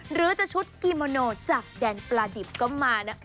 หรือจะชุดกิโมโนจากแดนปลาดิบก็มานะ